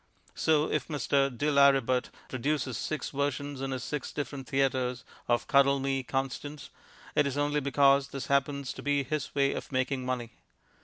So if Mr. de Lauributt produces six versions in his six different theatres of Cuddle Me, Constance, it is only because this happens to be his way of making money.